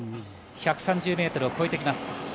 １３０ｍを越えてきます。